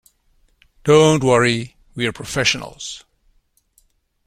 Don't worry, we're professionals.